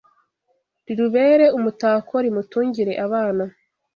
Rirubere umutako Rimutungire abana